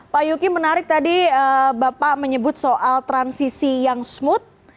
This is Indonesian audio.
pak yuki menarik tadi bapak menyebut soal transisi yang smooth